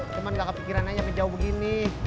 cuma enggak kepikiran tanya menjauh begini